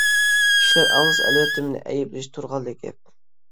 كىشىلەر ئاڭلىسا ئەلۋەتتە مېنى ئەيىبلىشى تۇرغانلا گەپ.